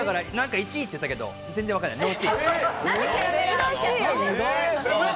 １位って言ってたけど、全然わからない。